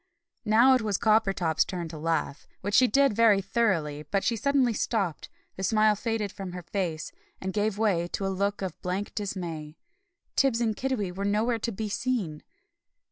Now it was Coppertop's turn to laugh, which she did very thoroughly; but she suddenly stopped, the smile faded from her face, and gave way to a look of blank dismay. Tibbs and Kiddiwee were nowhere to be seen!